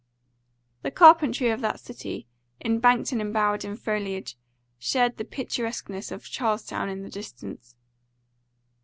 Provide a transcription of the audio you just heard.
The carpentry of that city, embanked and embowered in foliage, shared the picturesqueness of Charlestown in the distance.